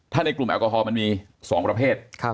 ถ้าในกลุ่มแอลกอฮอลมันมี๒ประเภท